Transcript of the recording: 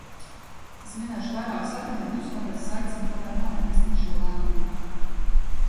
Es minēšu vairākus argumentus, kāpēc es aicinu tomēr neatbalstīt šo lēmumu.